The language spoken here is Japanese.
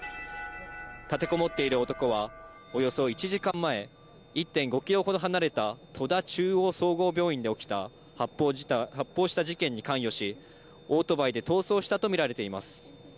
立てこもっている男はおよそ１時間前、１．５キロほど離れた戸田中央総合病院で起きた発砲した事件に関与し、オートバイで逃走したと見られています。